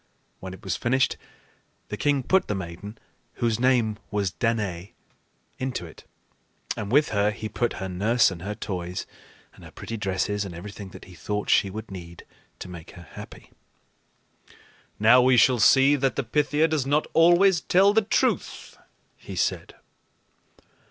When it was finished, the king put the maiden, whose name was Danaë, into it; and with her he put her nurse and her toys and her pretty dresses and everything that he thought she would need to make her happy. "Now we shall see that the Pythia does not always tell the truth," he said.